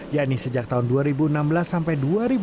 yakni sejak tahun dua ribu enam belas sampai dua ribu dua puluh